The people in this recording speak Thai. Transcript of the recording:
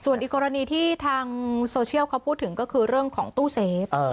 อันนี้ที่ทางโซเชียลพูดถึงก็คือเรื่องของตู้เซฟ